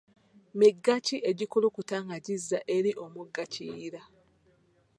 Migga ki egikulukuta nga gizza eri omugga kiyira?